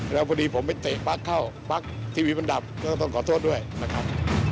แล้วพอดีผมไปเตะปั๊กเข้าปั๊กทีวีมันดับก็ต้องขอโทษด้วยนะครับ